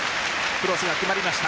クロスが決まりました。